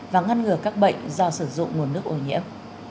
và ngăn ngừa các bệnh do sử dụng nguồn nước ô nhiễm